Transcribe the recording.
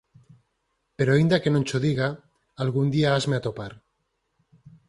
Pero aínda que non cho diga, algún día hasme atopar.